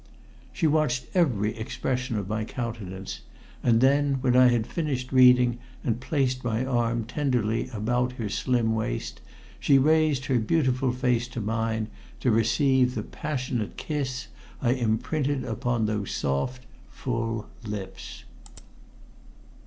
She watched every expression of my countenance, and then, when I had finished reading and placed my arm tenderly about her slim waist, she raised her beautiful face to mine to receive the passionate kiss I imprinted upon those soft, full lips.